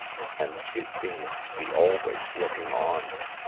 And she seemed to be always looking on.